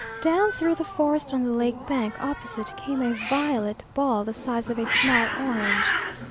Down through the forest on the lake bank opposite came a violet ball the size of a small orange.